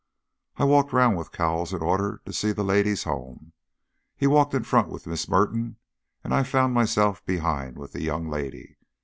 I walked round with Cowles in order to see the ladies home. He walked in front with Mrs. Merton, and I found myself behind with the young lady.